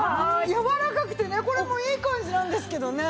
やわらかくてねこれもいい感じなんですけどね。